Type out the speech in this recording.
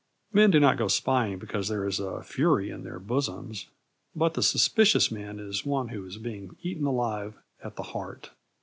Men do not go spying because there is a fury in their bosoms, but the suspicious man is one who is being eaten alive at the heart.